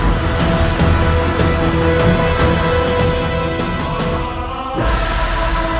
saya terlalu sederhana dan urus